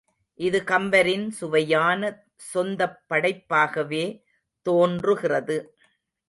இது கம்பரின் சுவையான சொந்தப் படைப்பாகவே தோன்றுகிறது.